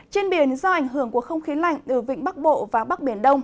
trên biển do ảnh hưởng của không khí lạnh ở vịnh bắc bộ và bắc biển đông